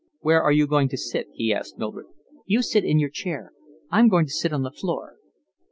"Where are you going to sit?" he asked Mildred. "You sit in your chair. I'm going to sit on the floor."